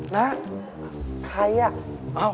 นะใครอ่ะ